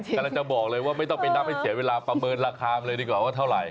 กำลังจะบอกเลยว่าไม่ต้องไปนับให้เสียเวลาประเมินราคามาเลยดีกว่าว่าเท่าไหร